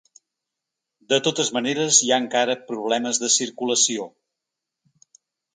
De totes maneres, hi ha encara problemes de circulació.